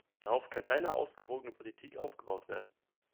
Darauf kann keine ausgewogene Politik aufgebaut werden.